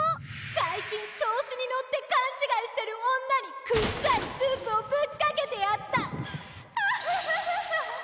最近調子に乗って勘違いしてる女にくっさいスープをぶっかけてやったアハハハ！